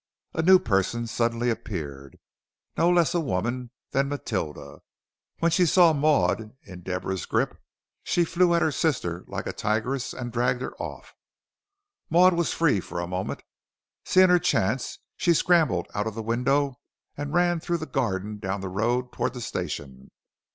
A new person suddenly appeared. No less a woman than Matilda. When she saw Maud in Deborah's grip she flew at her sister like a tigress and dragged her off. Maud was free for a moment. Seeing her chance she scrambled out of the window, and ran through the garden down the road towards the station.